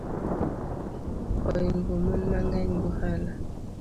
Oingo mon mang’eny gohala